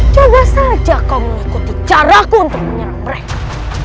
jaga saja kau mengikuti caraku untuk menyerang mereka